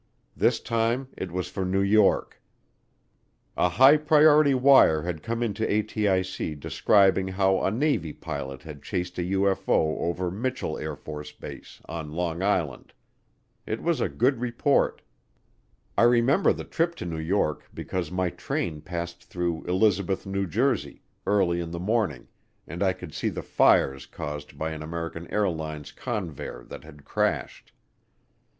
This time it was for New York. A high priority wire had come into ATIC describing how a Navy pilot had chased a UFO over Mitchel AFB, on Long Island. It was a good report. I remember the trip to New York because my train passed through Elizabeth, New Jersey, early in the morning, and I could see the fires caused by an American Airlines Convair that had crashed.